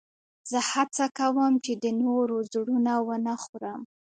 زه هڅه کوم، چي د نورو زړونه و نه خورم.